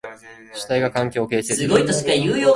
主体が環境を形成する。